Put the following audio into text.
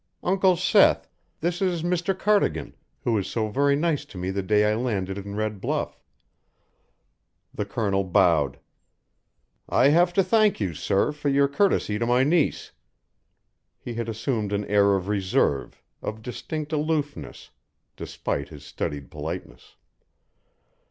"Uncle Seth, this is Mr. Cardigan, who was so very nice to me the day I landed in Red Bluff." The Colonel bowed. "I have to thank you, sir, for your courtesy to my niece." He had assumed an air of reserve, of distinct aloofness, despite his studied politeness.